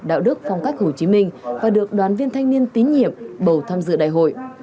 đạo đức phong cách hồ chí minh và được đoàn viên thanh niên tín nhiệm bầu tham dự đại hội